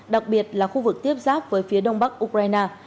đặc biệt là khu vực tiếp giáp với phía đông bắc ukraine